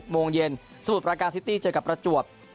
โมงเย็นสมุทรประการซิตี้เจอกับประจวบ